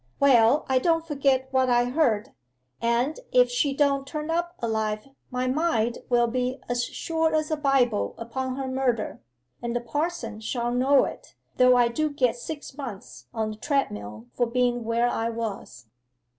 "Well, I don't forget what I heard, and if she don't turn up alive my mind will be as sure as a Bible upon her murder, and the parson shall know it, though I do get six months on the treadmill for being where I was."